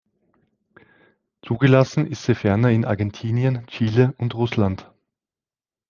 Zugelassen ist sie ferner in Argentinien, Chile und Russland.